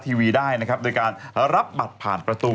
ทีวีได้นะครับโดยรับบาท